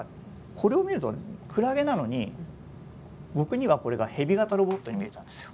これを見るとクラゲなのに僕にはこれがヘビ型ロボットに見えたんですよ。